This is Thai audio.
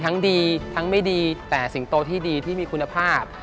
ทั้งดีทั้งไม่ดีแต่สิงโตที่ดีที่มีคุณภาพ